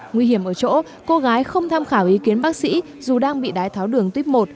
nguy hiểm ở chỗ cô gái không tham khảo ý kiến bác sĩ dù đang bị đái tháo đường tuyếp một